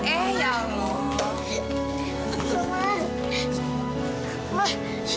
eh ya allah